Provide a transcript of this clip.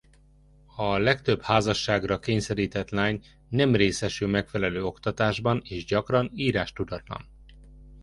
A legtöbb házasságra kényszerített lány nem részesül megfelelő oktatásban és gyakran írástudatlan.